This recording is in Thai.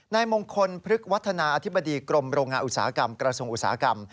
นายมงคลพฤกษวัฒนาอธิบดีกรมโรงงานอุตสาหกรรมกระทรวงอุตสาหกรรม